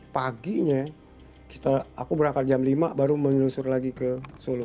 paginya aku berangkat jam lima baru menyelusur lagi ke solo